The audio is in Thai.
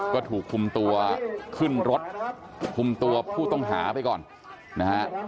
ก็ถูกคุมตัวขึ้นรถคุมตัวผู้ต้องหาไปก่อนนะฮะ